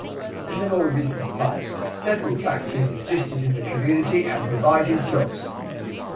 In the more recent past, several factories existed in the community and provided jobs.